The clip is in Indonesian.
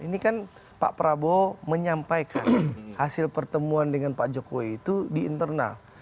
ini kan pak prabowo menyampaikan hasil pertemuan dengan pak jokowi itu di internal